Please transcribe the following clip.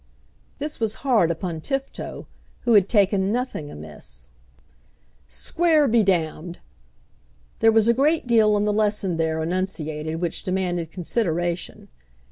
This was hard upon Tifto, who had taken nothing amiss. "Square be d !" There was a great deal in the lesson there enunciated which demanded consideration.